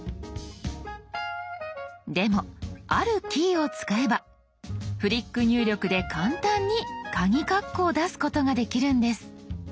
でもあるキーを使えばフリック入力で簡単にカギカッコを出すことができるんです。